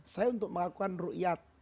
saya untuk melakukan ruqyah